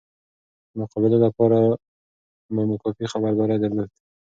د مقابله لپاره به مو کافي خبرداری درلود.